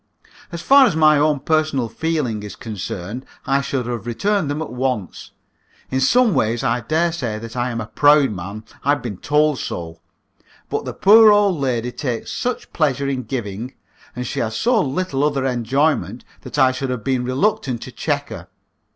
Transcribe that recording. As far as my own personal feeling is concerned, I should have returned them at once. In some ways I daresay that I am a proud man. I have been told so. But the poor old lady takes such pleasure in giving, and she has so little other enjoyment, that I should have been reluctant to check her.